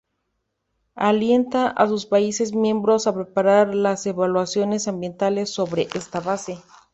Alienta a sus países miembros a preparar las evaluaciones ambientales sobre esta base.